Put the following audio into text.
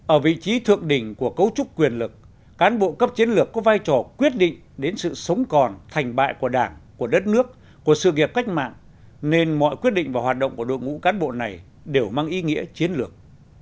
ở vị trí thượng đỉnh của cấu trúc quyền lực cán bộ cấp chiến lược có vai trò quyết định đến sự sống còn thành bại của đảng của đất nước của sự nghiệp cách mạng nên mọi quyết định và hoạt động của đội ngũ cán bộ này đều mang ý nghĩa chiến lược